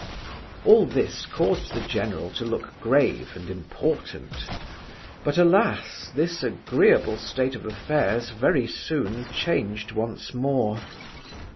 All this caused the general to look grave and important. But, alas! this agreeable state of affairs very soon changed once more.